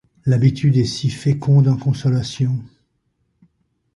L’habitude est si féconde en consolations !